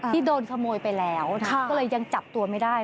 ที่โดนขโมยไปแล้วก็เลยยังจับตัวไม่ได้